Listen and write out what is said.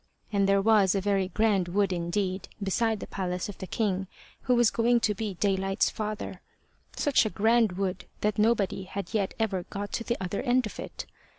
And there was a very grand wood indeed beside the palace of the king who was going to be Daylight's father; such a grand wood, that nobody yet had ever got to the other end of it.